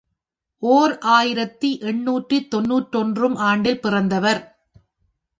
ஓர் ஆயிரத்து எண்ணூற்று தொன்னூற்றொன்று ம் ஆண்டில் பிறந்தவர்.